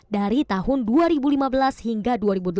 dari tahun dua ribu lima belas hingga dua ribu delapan belas